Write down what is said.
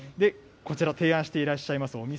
こちら、提案していらっしゃいます